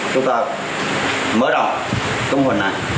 chúng ta mới ra tình hình này